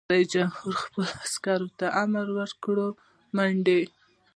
رئیس جمهور خپلو عسکرو ته امر وکړ؛ منډه!